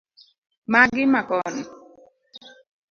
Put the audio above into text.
Magi ma koni